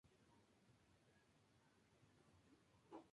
Las barreras naturales se rompieron y el lago se convirtió en un mar interior.